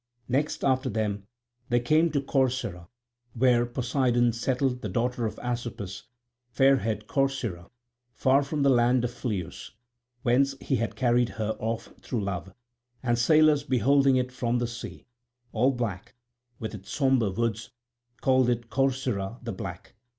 Next after them they came to Corcyra, where Poseidon settled the daughter of Asopus, fair haired Corcyra, far from the land of Phlius, whence he had carried her off through love; and sailors beholding it from the sea, all black with its sombre woods, call it Corcyra the Black.